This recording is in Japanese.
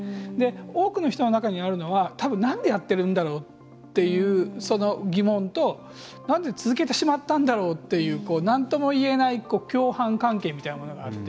多くの人の中にあるのは、たぶんなんでやっているんだろうという疑問となぜ続けてしまったんだろうというなんともいえない共犯関係というのがあって。